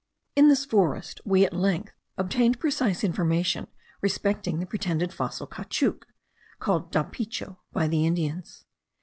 In this forest we at length obtained precise information respecting the pretended fossil caoutchouc, called dapicho by the Indians.